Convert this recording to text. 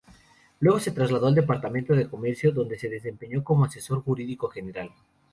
Luego se trasladó al Departamento de Comercio, donde se desempeñó como asesor jurídico general.